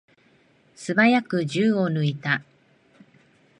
すばやく銃を抜いた。